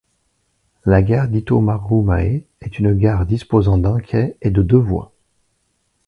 La gare d'Hitomarumae est une gare disposant d'un quai et de deux voies.